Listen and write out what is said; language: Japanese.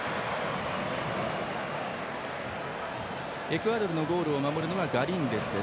エクアドルのゴールを守るのはガリンデス。